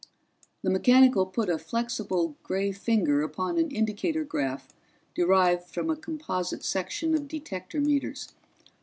The mechanical put a flexible gray finger upon an indicator graph derived from a composite section of detector meters.